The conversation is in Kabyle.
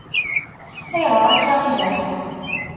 Ayɣer akka i jaḥen?